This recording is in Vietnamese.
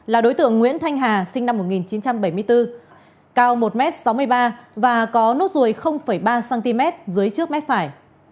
là đối tượng nguyễn thanh hà sinh năm một nghìn chín trăm bảy mươi bốn cao một m sáu mươi ba và có nốt ruồi ba cm dưới trước mép phải